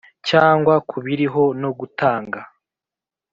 cyangwa ku biriho no gutanga